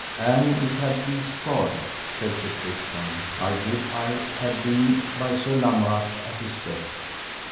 An it had pleased God, said Sir Tristram, I would I had been by Sir Lamorak at his death.